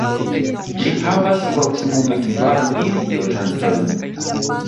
Ĝi havas proksimume kvar mil loĝantojn.